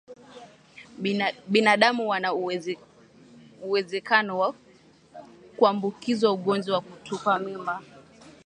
Binadamu wana uwezekano wa kuambukizwa ugonjwa wa kutupa mimba